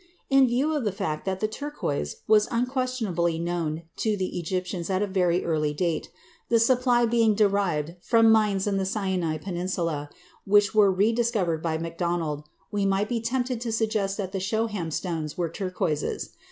In view of the fact that the turquoise was unquestionably known to the Egyptians at a very early date, the supply being derived from mines in the Sinai Peninsula, which were rediscovered by Macdonald, we might be tempted to suggest that the shoham stones were turquoises.